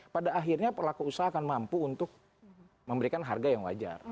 pada akhirnya pelaku usaha akan mampu untuk memberikan harga yang wajar